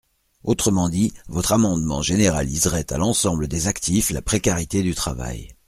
Autrement dit, votre amendement généraliserait à l’ensemble des actifs la précarité du travail.